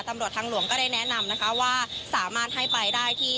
ตำรวจทางหลวงก็ได้แนะนำนะคะว่าสามารถให้ไปได้ที่